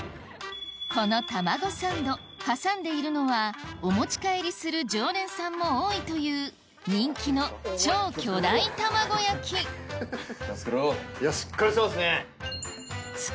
この卵サンド挟んでいるのはお持ち帰りする常連さんも多いという人気の超巨大卵焼き気を付けろ。